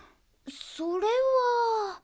それは。